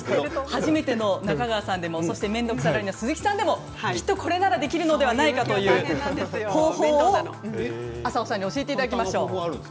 初めての中川さんでも面倒くさがりの鈴木さんでもできるんじゃないかという方法を浅尾さんに教えていただきます。